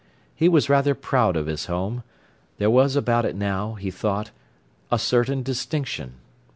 He was rather proud of his home. There was about it now, he thought, a certain distinction.